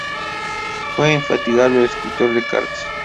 Fue un infatigable escritor de cartas.